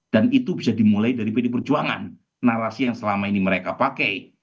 dan itu bisa dimulai dari pd perjuangan narasi yang selama ini mereka pakai